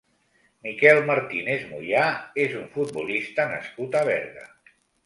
Miquel Martínez Moyà és un futbolista nascut a Berga.